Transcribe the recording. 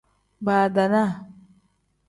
Badaanaa.